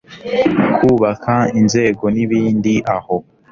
kubaka inzego n'ibindi aho